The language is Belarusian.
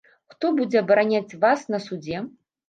Хто будзе абараняць вас на судзе?